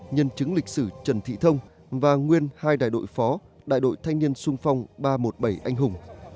nhân chứng lịch sử trần thị thông và nguyên hai đại đội phó đại đội thanh niên sung phong ba trăm một mươi bảy anh hùng